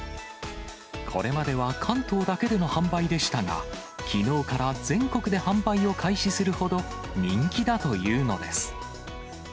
これまでは関東だけでの販売でしたが、きのうから全国で販売を開始するほど、人気だというのです。